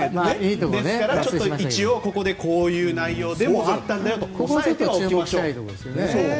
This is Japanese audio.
ですから、一応ここでこういう内容だったんだよと踏まえておきましょう。